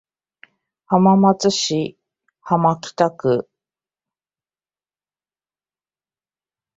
浜松市浜北区